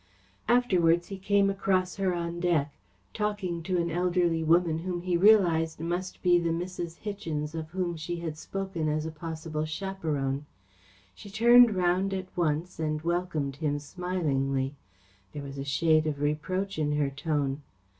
Afterwards he came across her on deck, talking to an elderly woman whom he realised must be the Mrs. Hichens of whom she had spoken as a possible chaperone. She turned round at once and welcomed him smilingly. There was a shade of reproach in her tone.